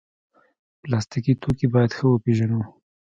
پلاستيکي توکي باید ښه وپیژنو.